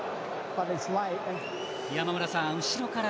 山村さん、後ろから。